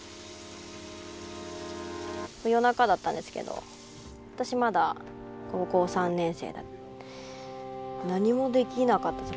夜中だったんですけど私まだ高校３年生で何もできなかったです。